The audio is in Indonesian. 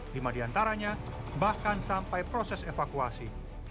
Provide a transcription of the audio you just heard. lima di antaranya bahkan sampai proses evakuasi